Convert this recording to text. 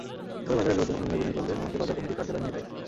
পরে বাজারের লোকজন অনুনয়-বিনয় করলে আমাকে বাজার কমিটির কার্যালয়ে নিয়ে যায়।